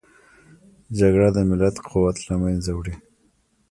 جګړه د ملت قوت له منځه وړي